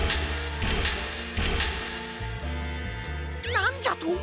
なんじゃと！？